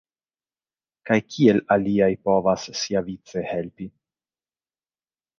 Kaj kiel aliaj povas, siavice, helpi?